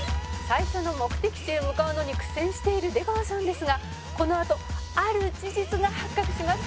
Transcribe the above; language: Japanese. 「最初の目的地へ向かうのに苦戦している出川さんですがこのあとある事実が発覚します。